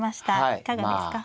いかがですか。